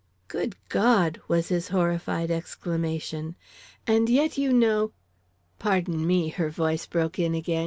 "Good God!" was his horrified exclamation; "and yet you know " "Pardon me," her voice broke in again.